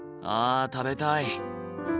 あ食べたい。